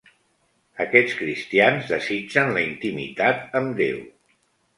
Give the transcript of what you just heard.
Aquests cristians desitgen la intimitat amb Déu.